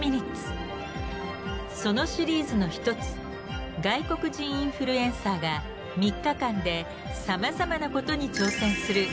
そのシリーズの一つ外国人インフルエンサーが３日間でさまざまなことに挑戦する